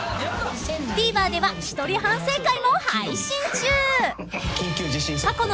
［ＴＶｅｒでは一人反省会も配信中］